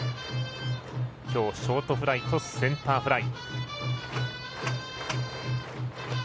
きょう、ショートフライとセンターフライ。